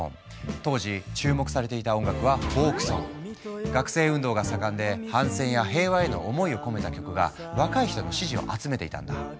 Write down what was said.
当時注目されていた音楽は学生運動が盛んで反戦や平和への思いを込めた曲が若い人の支持を集めていたんだ。